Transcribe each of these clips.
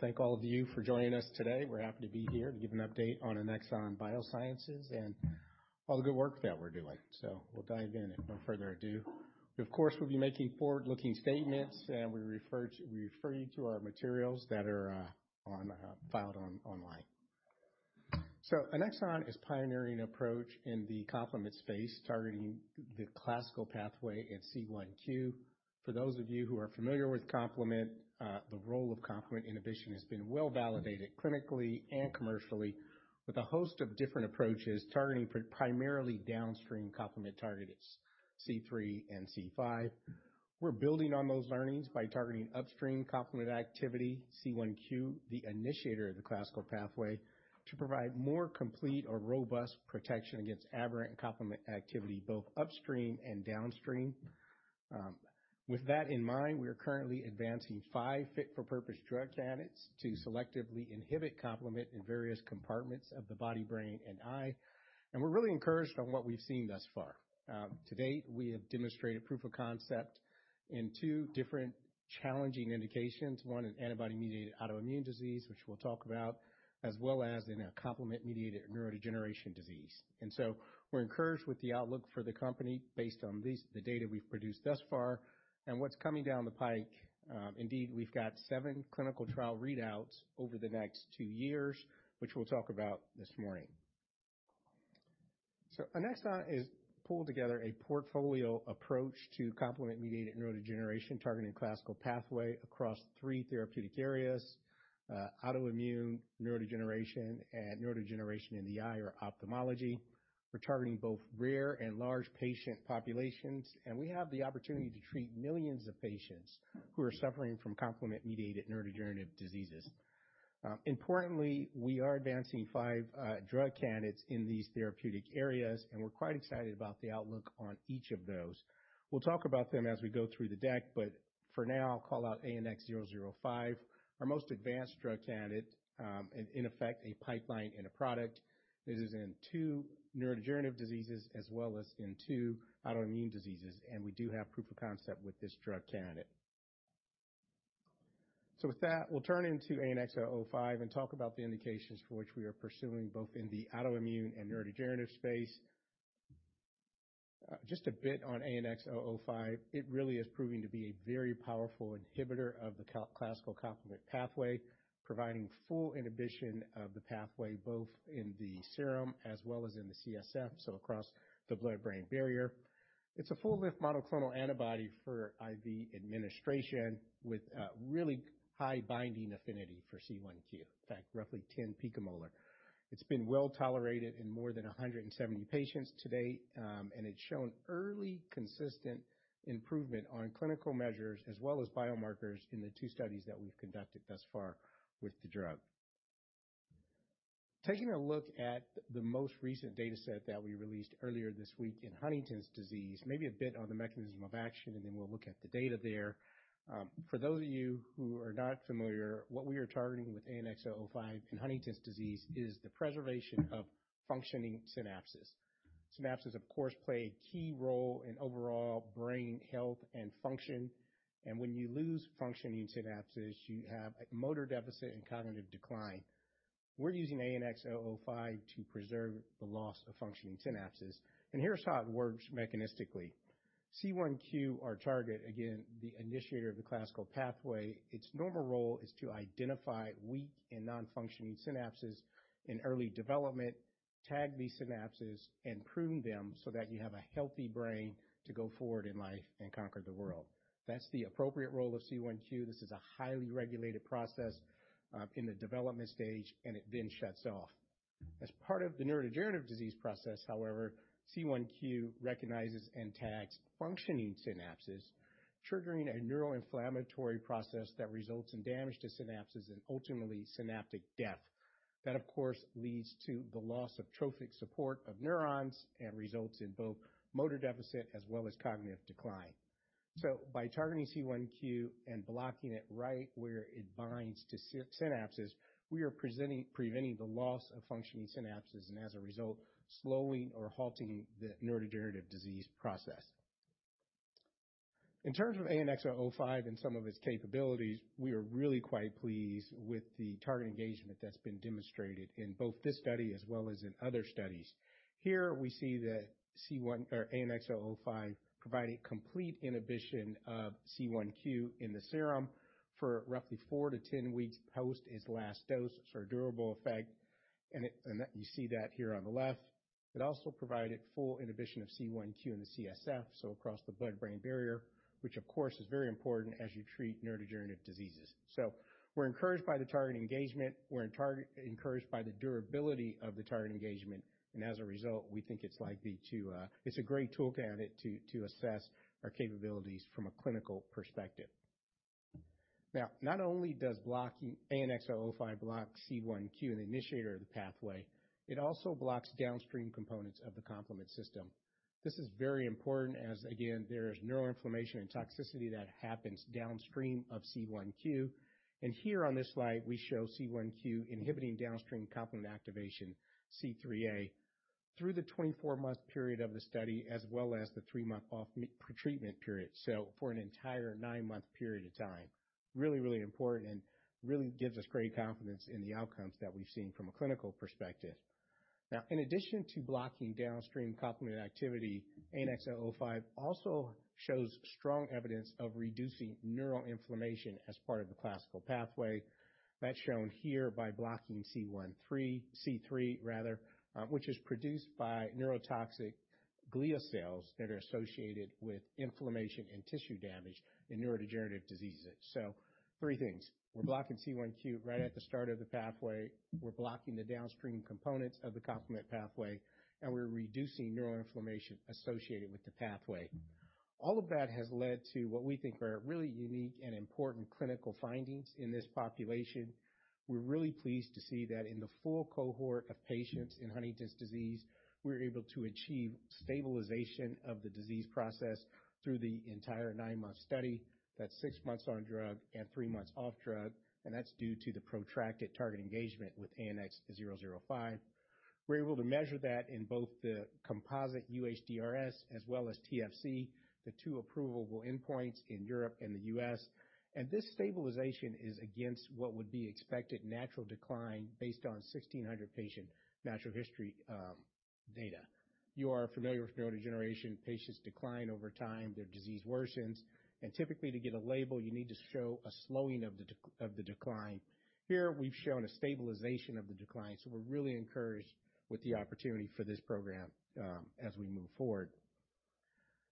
Thank all of you for joining us today. We're happy to be here to give an update on Annexon Biosciences and all the good work that we're doing. We'll dive in. With no further ado, of course, we'll be making forward-looking statements, and we refer you to our materials that are filed online. Annexon is pioneering an approach in the complement space, targeting the classical pathway at C1Q. For those of you who are familiar with complement, the role of complement inhibition has been well-validated clinically and commercially, with a host of different approaches targeting primarily downstream complement targets, C3 and C5. We're building on those learnings by targeting upstream complement activity, C1Q, the initiator of the classical pathway, to provide more complete or robust protection against aberrant complement activity, both upstream and downstream. With that in mind, we are currently advancing five fit-for-purpose drug candidates to selectively inhibit complement in various compartments of the body, brain, and eye. We're really encouraged on what we've seen thus far. To date, we have demonstrated proof of concept in two different challenging indications, one in antibody-mediated autoimmune disease, which we'll talk about, as well as in a complement-mediated neurodegeneration disease. We're encouraged with the outlook for the company based on these the data we've produced thus far and what's coming down the pike. Indeed, we've got seven clinical trial readouts over the next two years, which we'll talk about this morning. Annexon has pulled together a portfolio approach to complement-mediated neurodegeneration targeting classical pathway across three therapeutic areas, autoimmune neurodegeneration and neurodegeneration in the eye or ophthalmology. We're targeting both rare and large patient populations, and we have the opportunity to treat millions of patients who are suffering from complement-mediated neurodegenerative diseases. Importantly, we are advancing five drug candidates in these therapeutic areas, and we're quite excited about the outlook on each of those. We'll talk about them as we go through the deck, but for now, I'll call out ANX005, our most advanced drug candidate, in effect, a pipeline and a product. This is in two neurodegenerative diseases as well as in two autoimmune diseases, and we do have proof of concept with this drug candidate. With that, we'll turn into ANX005 and talk about the indications for which we are pursuing, both in the autoimmune and neurodegenerative space. Just a bit on ANX005. It really is proving to be a very powerful inhibitor of the classical complement pathway, providing full inhibition of the pathway, both in the serum as well as in the CSF, so across the blood-brain barrier. It's a full-length monoclonal antibody for IV administration with a really high binding affinity for C1Q. In fact, roughly 10 pM. It's been well-tolerated in more than 170 patients to date, and it's shown early consistent improvement on clinical measures as well as biomarkers in the two studies that we've conducted thus far with the drug. Taking a look at the most recent data set that we released earlier this week in Huntington's disease, maybe a bit on the mechanism of action, and then we'll look at the data there. For those of you who are not familiar, what we are targeting with ANX005 in Huntington's disease is the preservation of functioning synapses. Synapses, of course, play a key role in overall brain health and function. When you lose functioning synapses, you have motor deficit and cognitive decline. We're using ANX005 to preserve the loss of functioning synapses, and here's how it works mechanistically. C1Q, our target, again, the initiator of the classical pathway, its normal role is to identify weak and non-functioning synapses in early development, tag these synapses, and prune them so that you have a healthy brain to go forward in life and conquer the world. That's the appropriate role of C1Q. This is a highly regulated process in the development stage, and it then shuts off. As part of the neurodegenerative disease process, however, C1Q recognizes and tags functioning synapses, triggering a neuroinflammatory process that results in damage to synapses and ultimately synaptic death. That, of course, leads to the loss of trophic support of neurons and results in both motor deficit as well as cognitive decline. By targeting C1Q and blocking it right where it binds to synapses, we are preventing the loss of functioning synapses and as a result, slowing or halting the neurodegenerative disease process. In terms of ANX005 and some of its capabilities, we are really quite pleased with the target engagement that's been demonstrated in both this study as well as in other studies. Here we see that C1 or ANX005 providing complete inhibition of C1Q in the serum for roughly four to 10 weeks post its last dose, so a durable effect, and you see that here on the left. It also provided full inhibition of C1Q in the CSF, so across the blood-brain barrier, which of course is very important as you treat neurodegenerative diseases. We're encouraged by the target engagement. We're encouraged by the durability of the target engagement. As a result, we think it's likely to. It's a great tool candidate to assess our capabilities from a clinical perspective. Now, not only does blocking ANX005 block C1Q, the initiator of the pathway, it also blocks downstream components of the complement system. This is very important as, again, there is neural inflammation and toxicity that happens downstream of C1Q. Here on this slide, we show C1Q inhibiting downstream complement activation C3A through the 24-month period of the study, as well as the three-month off-medication pre-treatment period. For an entire nine-month period of time, really, really important and really gives us great confidence in the outcomes that we've seen from a clinical perspective. Now, in addition to blocking downstream complement activity, ANX005 also shows strong evidence of reducing neural inflammation as part of the classical pathway. That's shown here by blocking C3 rather, which is produced by neurotoxic glial cells that are associated with inflammation and tissue damage in neurodegenerative diseases. Three things. We're blocking C1Q right at the start of the pathway. We're blocking the downstream components of the complement pathway, and we're reducing neural inflammation associated with the pathway. All of that has led to what we think are really unique and important clinical findings in this population. We're really pleased to see that in the full cohort of patients in Huntington's disease, we're able to achieve stabilization of the disease process through the entire nine-month study. That's six months on drug and three months off drug, and that's due to the protracted target engagement with ANX005. We're able to measure that in both the composite UHDRS as well as TFC, the two approvable endpoints in Europe and the U.S. This stabilization is against what would be expected natural decline based on 1,600 patient natural history data. You are familiar with neurodegeneration. Patients decline over time, their disease worsens. Typically to get a label, you need to show a slowing of the decline. Here we've shown a stabilization of the decline, so we're really encouraged with the opportunity for this program, as we move forward.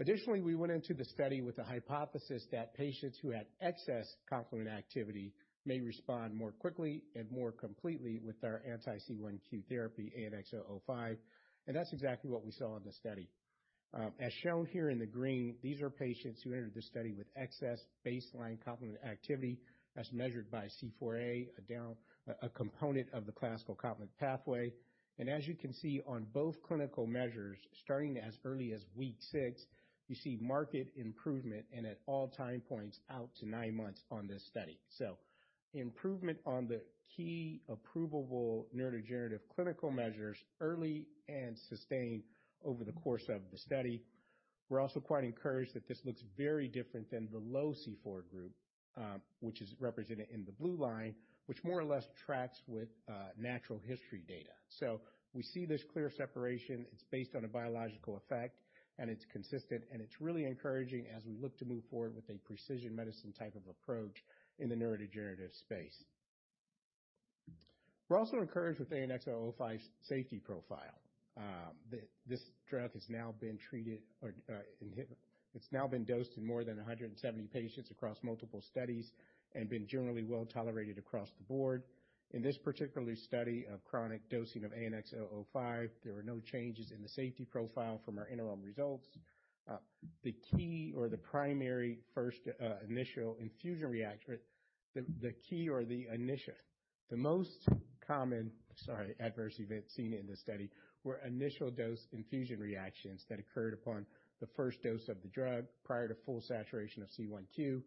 Additionally, we went into the study with the hypothesis that patients who had excess complement activity may respond more quickly and more completely with our anti-C1q therapy, ANX005, and that's exactly what we saw in the study. As shown here in the green, these are patients who entered the study with excess baseline complement activity as measured by C4A, a component of the classical complement pathway. As you can see on both clinical measures, starting as early as week six, you see marked improvement and at all time points out to nine months on this study. Improvement on the key approvable neurodegenerative clinical measures early and sustained over the course of the study. We're also quite encouraged that this looks very different than the low C4 group, which is represented in the blue line, which more or less tracks with natural history data. We see this clear separation. It's based on a biological effect, and it's consistent, and it's really encouraging as we look to move forward with a precision medicine type of approach in the neurodegenerative space. We're also encouraged with ANX005's safety profile. This drug has now been dosed in more than 170 patients across multiple studies and been generally well-tolerated across the board. In this particular study of chronic dosing of ANX005, there were no changes in the safety profile from our interim results. The most common, sorry, adverse event seen in this study were initial dose infusion reactions that occurred upon the first dose of the drug prior to full saturation of C1Q.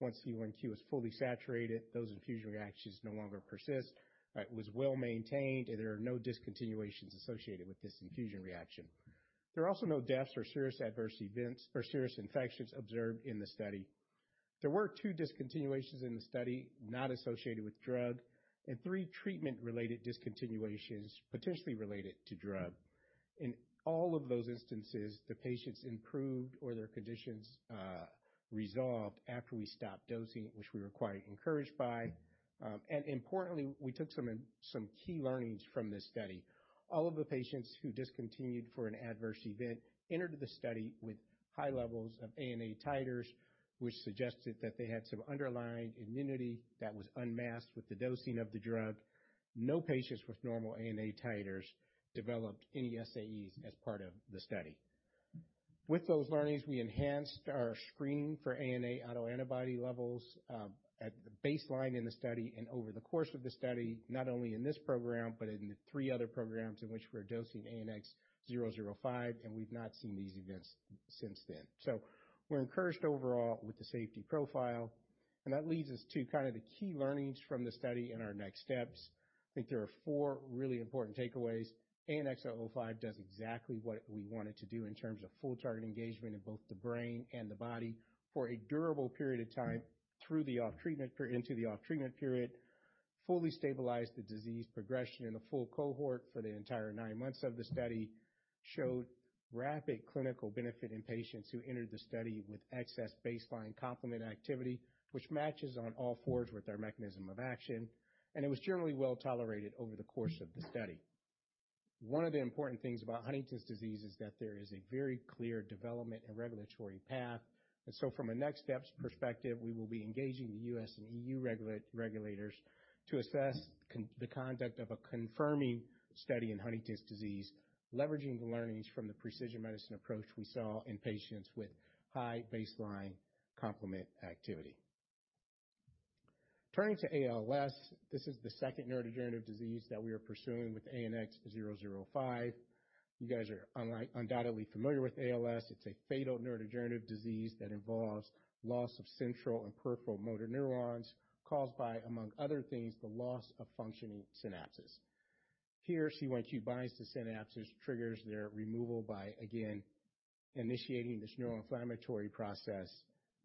Once C1Q is fully saturated, those infusion reactions no longer persist. It was well-maintained, and there are no discontinuations associated with this infusion reaction. There are also no deaths or serious adverse events or serious infections observed in the study. There were two discontinuations in the study not associated with drug and three treatment-related discontinuations potentially related to drug. In all of those instances, the patients improved or their conditions resolved after we stopped dosing, which we were quite encouraged by. Importantly, we took some key learnings from this study. All of the patients who discontinued for an adverse event entered the study with high levels of ANA titers, which suggested that they had some underlying immunity that was unmasked with the dosing of the drug. No patients with normal ANA titers developed any SAEs as part of the study. With those learnings, we enhanced our screening for ANA autoantibody levels at the baseline in the study and over the course of the study, not only in this program but in three other programs in which we're dosing ANX005, and we've not seen these events since then. We're encouraged overall with the safety profile, and that leads us to kind of the key learnings from the study and our next steps. I think there are four really important takeaways. ANX005 does exactly what we want it to do in terms of full target engagement in both the brain and the body for a durable period of time through the off-treatment period into the off-treatment period, fully stabilized the disease progression in the full cohort for the entire nine months of the study, showed rapid clinical benefit in patients who entered the study with excess baseline complement activity, which matches on all fours with our mechanism of action. It was generally well-tolerated over the course of the study. One of the important things about Huntington's disease is that there is a very clear development and regulatory path. From a next steps perspective, we will be engaging the U.S. and E.U. regulators to assess the conduct of a confirming study in Huntington's disease, leveraging the learnings from the precision medicine approach we saw in patients with high baseline complement activity. Turning to ALS, this is the second neurodegenerative disease that we are pursuing with ANX005. You guys are undoubtedly familiar with ALS. It's a fatal neurodegenerative disease that involves loss of central and peripheral motor neurons caused by, among other things, the loss of functioning synapses. Here C1Q binds the synapses, triggers their removal by, again, initiating this neuroinflammatory process,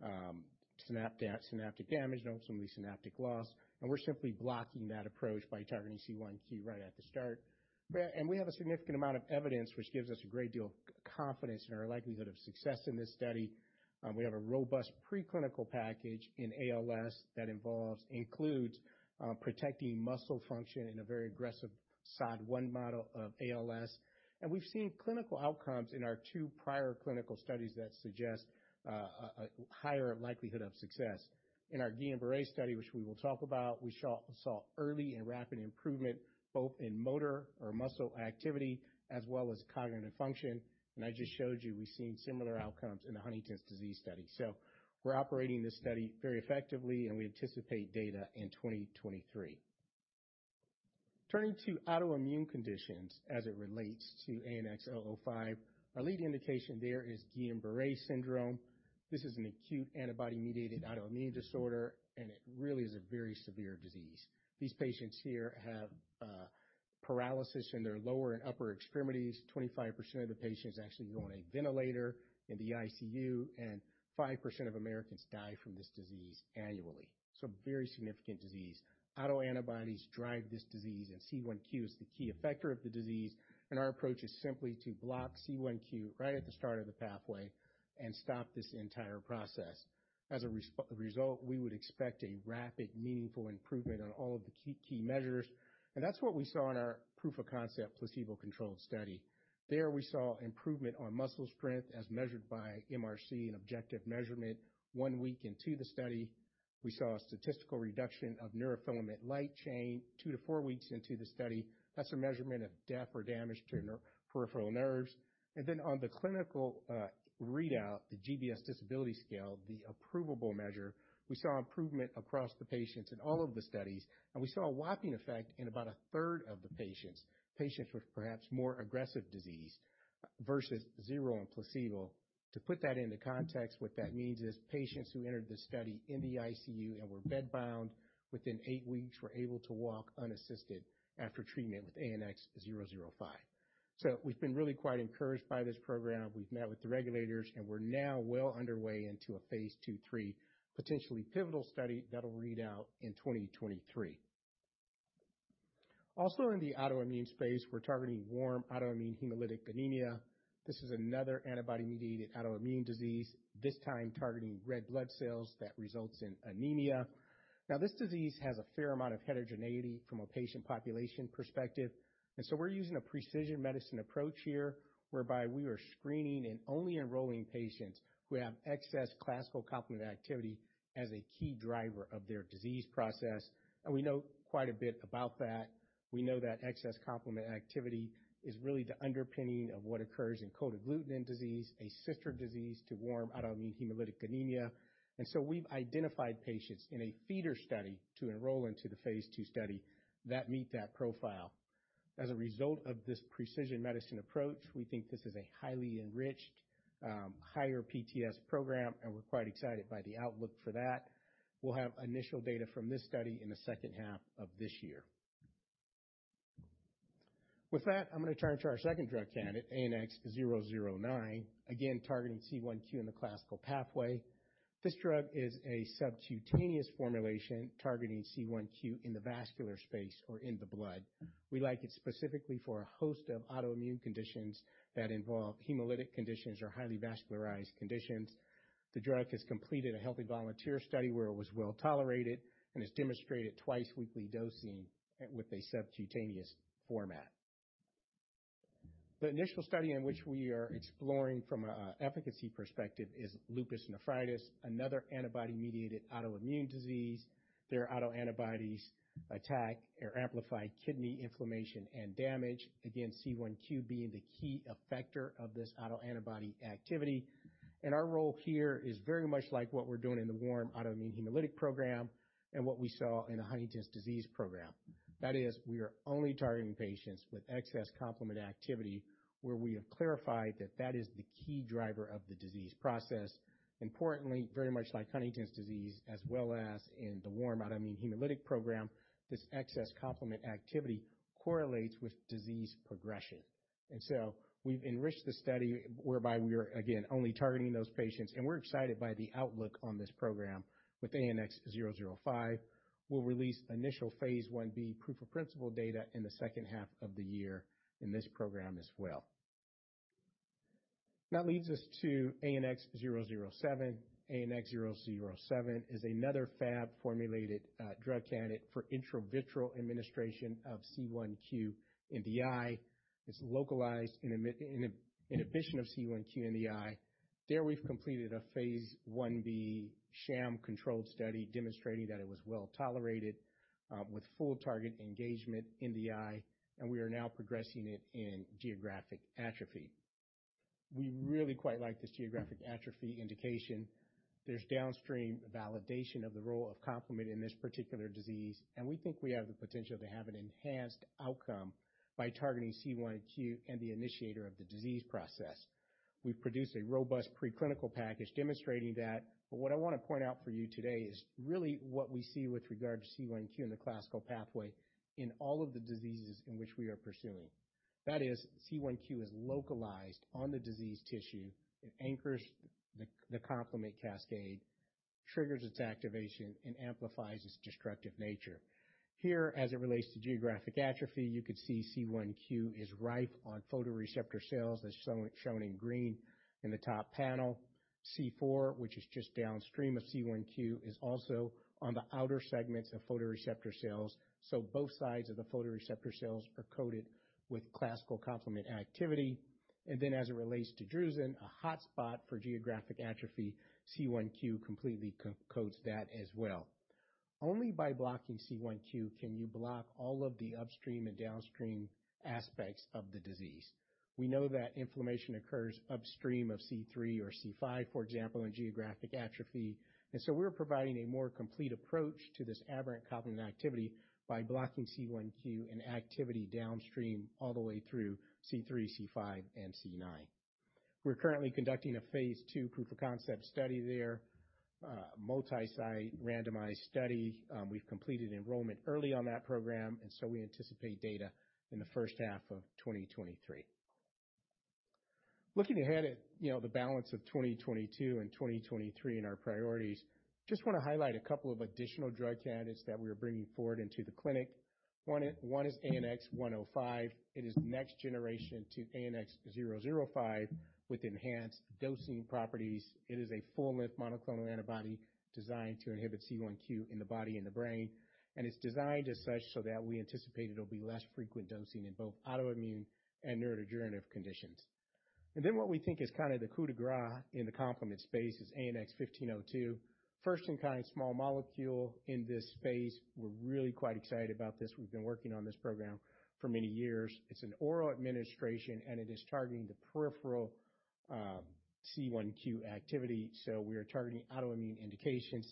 and synaptic damage and ultimately synaptic loss. We're simply blocking that approach by targeting C1Q right at the start. We have a significant amount of evidence which gives us a great deal of confidence in our likelihood of success in this study. We have a robust preclinical package in ALS that includes protecting muscle function in a very aggressive SOD1 model of ALS. We've seen clinical outcomes in our two prior clinical studies that suggest a higher likelihood of success. In our Guillain-Barré study, which we will talk about, we saw early and rapid improvement both in motor or muscle activity as well as cognitive function. I just showed you, we've seen similar outcomes in the Huntington's disease study. We're operating this study very effectively, and we anticipate data in 2023. Turning to autoimmune conditions as it relates to ANX005, our lead indication there is Guillain-Barré syndrome. This is an acute antibody-mediated autoimmune disorder, and it really is a very severe disease. These patients here have paralysis in their lower and upper extremities. 25% of the patients actually go on a ventilator in the ICU, and 5% of Americans die from this disease annually. Very significant disease. Autoantibodies drive this disease, and C1Q is the key effector of the disease, and our approach is simply to block C1Q right at the start of the pathway and stop this entire process. As a result, we would expect a rapid, meaningful improvement on all of the key measures, and that's what we saw in our proof of concept, placebo-controlled study. There we saw improvement on muscle strength as measured by MRC and objective measurement one week into the study. We saw a statistical reduction of neurofilament light chain two to four weeks into the study. That's a measurement of death or damage to peripheral nerves. On the clinical readout, the GBS disability scale, the approvable measure, we saw improvement across the patients in all of the studies, and we saw a whopping effect in about a third of the patients with perhaps more aggressive disease versus zero in placebo. To put that into context, what that means is patients who entered the study in the ICU and were bed bound within eight weeks were able to walk unassisted after treatment with ANX005. We've been really quite encouraged by this program. We've met with the regulators, and we're now well underway into a phase II phase III, potentially pivotal study that'll read out in 2023. Also in the autoimmune space, we're targeting Warm Autoimmune Hemolytic Anemia. This is another antibody-mediated autoimmune disease, this time targeting red blood cells that results in anemia. Now, this disease has a fair amount of heterogeneity from a patient population perspective. We're using a precision medicine approach here, whereby we are screening and only enrolling patients who have excess classical complement activity as a key driver of their disease process. We know quite a bit about that. We know that excess complement activity is really the underpinning of what occurs in Cold Agglutinin Disease, a sister disease to Warm Autoimmune Hemolytic Anemia. We've identified patients in a feeder study to enroll into the phase II study that meet that profile. As a result of this precision medicine approach, we think this is a highly enriched, higher POS program, and we're quite excited by the outlook for that. We'll have initial data from this study in the second half of this year. With that, I'm gonna turn to our second drug candidate, ANX009, again, targeting C1Q in the classical pathway. This drug is a subcutaneous formulation targeting C1Q in the vascular space or in the blood. We like it specifically for a host of autoimmune conditions that involve hemolytic conditions or highly vascularized conditions. The drug has completed a healthy volunteer study where it was well tolerated and has demonstrated twice-weekly dosing with a subcutaneous format. The initial study in which we are exploring from a efficacy perspective is Lupus Nephritis, another antibody-mediated autoimmune disease. Their autoantibodies attack or amplify kidney inflammation and damage. Again, C1Q being the key effector of this autoantibody activity. Our role here is very much like what we're doing in the warm autoimmune hemolytic program and what we saw in the Huntington's disease program. That is, we are only targeting patients with excess complement activity where we have clarified that that is the key driver of the disease process. Importantly, very much like Huntington's disease, as well as in the warm autoimmune hemolytic program, this excess complement activity correlates with disease progression. We've enriched the study whereby we are, again, only targeting those patients. We're excited by the outlook on this program with ANX005. We'll release initial phase I-B proof of principle data in the second half of the year in this program as well. That leads us to ANX007. ANX007 is another Fab-formulated drug candidate for intravitreal administration of C1Q in the eye. It's localized inhibition of C1Q in the eye. There we've completed a phase I-B sham-controlled study demonstrating that it was well tolerated with full target engagement in the eye, and we are now progressing it in Geographic Atrophy. We really quite like this Geographic Atrophy indication. There's downstream validation of the role of complement in this particular disease, and we think we have the potential to have an enhanced outcome by targeting C1Q and the initiator of the disease process. We've produced a robust preclinical package demonstrating that. What I wanna point out for you today is really what we see with regard to C1Q and the classical pathway in all of the diseases in which we are pursuing. That is, C1Q is localized on the diseased tissue. It anchors the complement cascade, triggers its activation, and amplifies its destructive nature. Here, as it relates to Geographic Atrophy, you could see C1Q is ripe on photoreceptor cells, as shown in green in the top panel. C4, which is just downstream of C1Q, is also on the outer segments of photoreceptor cells, so both sides of the photoreceptor cells are coated with classical complement activity. As it relates to drusen, a hotspot for Geographic Atrophy, C1Q completely coats that as well. Only by blocking C1Q can you block all of the upstream and downstream aspects of the disease. We know that inflammation occurs upstream of C3 or C5, for example, in Geographic Atrophy. We're providing a more complete approach to this aberrant complement activity by blocking C1Q and activity downstream all the way through C3, C5, and C9. We're currently conducting a phase II proof of concept study there, a multi-site randomized study. We've completed enrollment early on that program, we anticipate data in the first half of 2023. Looking ahead at, you know, the balance of 2022 and 2023 and our priorities, just wanna highlight a couple of additional drug candidates that we're bringing forward into the clinic. One is ANX105. It is next generation to ANX005 with enhanced dosing properties. It is a full-length monoclonal antibody designed to inhibit C1Q in the body and the brain, and it's designed as such so that we anticipate it'll be less frequent dosing in both autoimmune and neurodegenerative conditions. What we think is kind of the coup de grâce in the complement space is ANX1502, first-in-kind small molecule in this space. We're really quite excited about this. We've been working on this program for many years. It's an oral administration, and it is targeting the peripheral C1Q activity, so we are targeting autoimmune indications.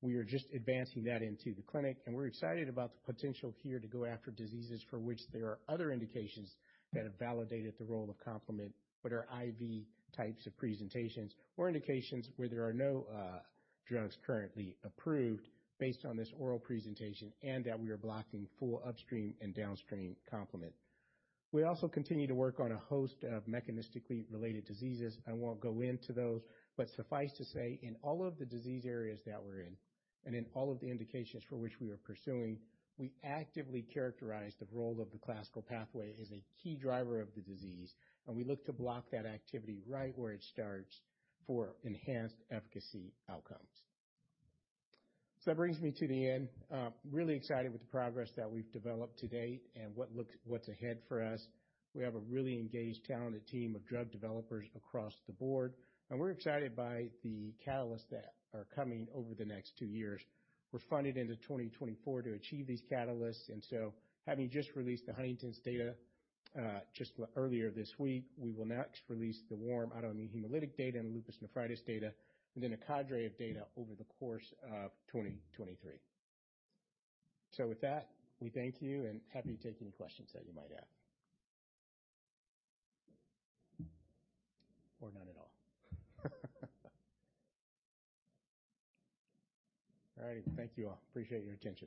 We are just advancing that into the clinic, and we're excited about the potential here to go after diseases for which there are other indications that have validated the role of complement but are IV types of presentations or indications where there are no, drugs currently approved based on this oral presentation and that we are blocking full upstream and downstream complement. We also continue to work on a host of mechanistically related diseases. I won't go into those, but suffice to say, in all of the disease areas that we're in, and in all of the indications for which we are pursuing, we actively characterize the role of the classical pathway as a key driver of the disease, and we look to block that activity right where it starts for enhanced efficacy outcomes. That brings me to the end. Really excited with the progress that we've developed to date and what looks, what's ahead for us. We have a really engaged, talented team of drug developers across the board, and we're excited by the catalysts that are coming over the next two years. We're funded into 2024 to achieve these catalysts. Having just released the Huntington's data earlier this week, we will next release the warm autoimmune hemolytic data and lupus nephritis data, and then a cadre of data over the course of 2023. With that, we thank you and happy to take any questions that you might have. Or none at all. All right. Thank you all. Appreciate your attention.